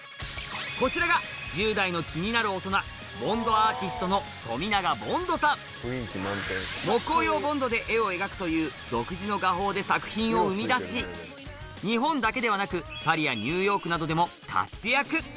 こちらがボンドアーティスト木工用ボンドで絵を描くという独自の画法で作品を生み出し日本だけではなくパリやニューヨークなどでも活躍